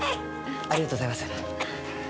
ありがとうございます。